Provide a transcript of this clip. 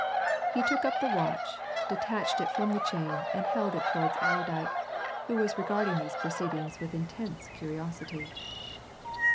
He took up the watch, detached it from the chain, and held it towards Allerdyke, who was regarding these proceedings with intense curiosity.